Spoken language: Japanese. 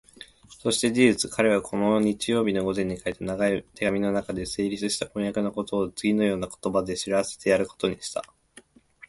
そして事実、彼はこの日曜日の午前に書いた長い手紙のなかで、成立した婚約のことをつぎのような言葉で知らせてやることにした。